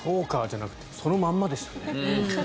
じゃなくてそのままでしたね。